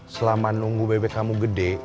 selama nunggu bebek kamu gede